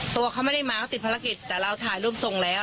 ตัวเขาไม่ได้มาเขาติดภารกิจแต่เราถ่ายรูปส่งแล้ว